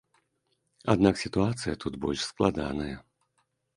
Аднак сітуацыя тут больш складаная.